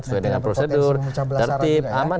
sesuai dengan prosedur tertib aman